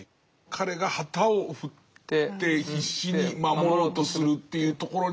彼が旗を振って必死に守ろうとするっていうところに出てるというか。